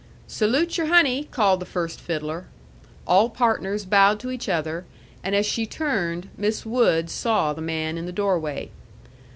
"Salute your honey!" called the first fiddler. All partners bowed to each other, and as she turned, Miss Wood saw the man in the doorway.